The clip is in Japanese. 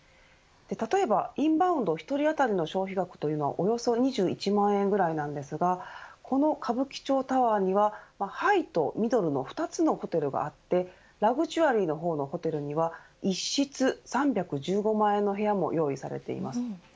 例えば、インバウンド１人当たりの消費額というのはおよそ２１万円ぐらいなんですがこの歌舞伎町タワーにはハイとミドルの２つのホテルがあってラグジュアリーの方のホテルには１室３１５万円の部屋も用意されています。